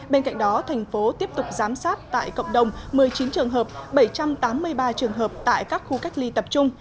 bên cạnh đó thành phố tiếp tục giám sát tại cộng đồng một mươi chín trường hợp bảy trăm tám mươi ba trường hợp tại các khu cách ly tập trung